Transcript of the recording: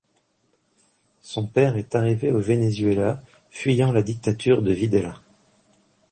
Son père est arrivé au Venezuela fuyant la dictature de Videla.